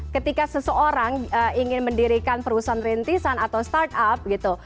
ketika seseorang ingin mendirikan perusahaan rintisan atau startup gitu